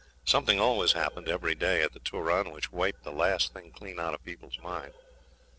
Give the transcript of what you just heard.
Something always happened every day at the Turon which wiped the last thing clean out of people's mind.